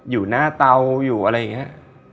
อยู่หน้าเตาอยู่อะไรอย่างนี้